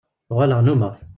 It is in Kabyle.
Uɣaleɣ nnumeɣ-t.